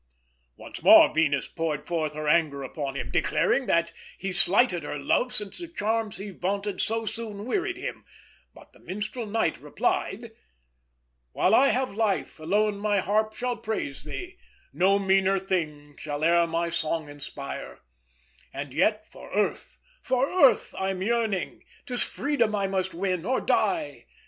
Once more Venus poured forth her anger upon him, declaring that he slighted her love since the charms he vaunted so soon wearied him; but the Minstrel Knight replied: "While I have life, alone my harp shall praise thee, No meaner theme shall e'er my song inspire: And yet, for earth, for earth I'm yearning! 'Tis freedom I must win, or die.